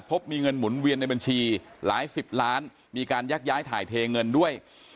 มีเงินหมุนเวียนในบัญชีหลายสิบล้านมีการยักย้ายถ่ายเทเงินด้วย